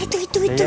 itu itu itu